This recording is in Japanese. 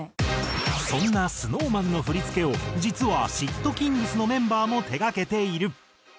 そんなＳｎｏｗＭａｎの振付を実はｓ＊＊ｔｋｉｎｇｚのメンバーも手がけている。